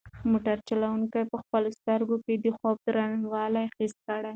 موټر چلونکي په خپلو سترګو کې د خوب دروندوالی حس کړ.